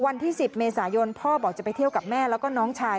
วันที่๑๐เมษายนพ่อบอกจะไปเที่ยวกับแม่แล้วก็น้องชาย